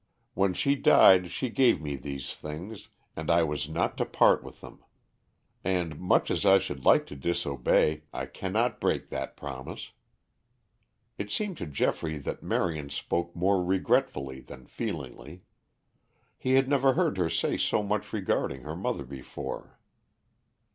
When she died she gave me these things, and I was not to part with them. And, much as I should like to disobey, I cannot break that promise." It seemed to Geoffrey that Marion spoke more regretfully than feelingly. He had never heard her say so much regarding her mother before.